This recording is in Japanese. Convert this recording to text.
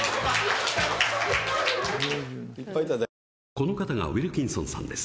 この方がウィルキンソンさんです。